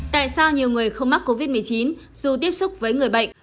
tại sao nhiều người không mắc covid một mươi chín dù tiếp xúc với người bệnh